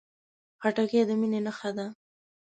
خټکی د مینې نښه ده.